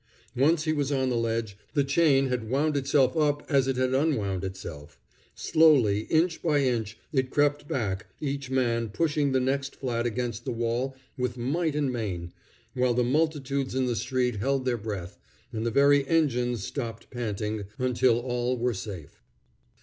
Once he was on the ledge, the chain wound itself up as it had unwound itself. Slowly, inch by inch, it crept back, each man pushing the next flat against the wall with might and main, while the multitudes in the street held their breath, and the very engines stopped panting, until all were safe.